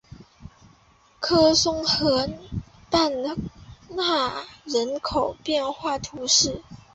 科松河畔瓦讷人口变化图示